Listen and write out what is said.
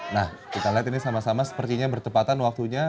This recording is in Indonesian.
nah kita lihat ini sama sama sepertinya bertepatan waktunya